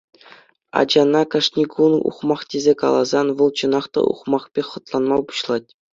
Ачана кашни кун ухмах тесе каласан, вӑл чӑнах та ухмах пек хӑтланма пуҫлать.